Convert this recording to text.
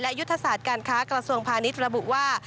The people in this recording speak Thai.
และยุทธศาสตร์การค้ากระทรวงพาณิชย์ระบุว่า